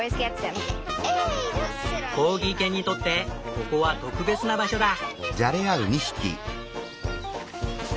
コーギー犬にとってここは特別な場所だ。